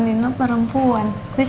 amin selama lamanya ya